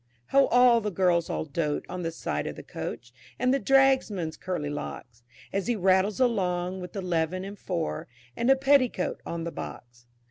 How the girls all dote on the sight of the Coach, And the Dragsman's curly locks, As he rattles along with eleven and four, And a petticoat on the box.